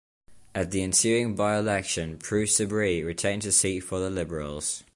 At the ensuing by-election, Prue Sibree retained his seat for the Liberals.